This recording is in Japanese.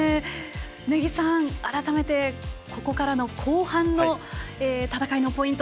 根木さん、改めてここからの後半の戦いのポイント